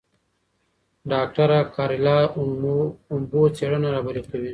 ډاکټره کارلا هومبو څېړنه رهبري کوي.